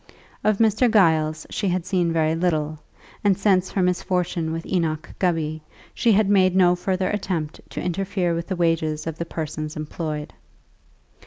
Of Mr. Giles she had seen very little, and since her misfortune with Enoch Gubby, she had made no further attempt to interfere with the wages of the persons employed.